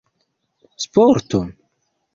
sporto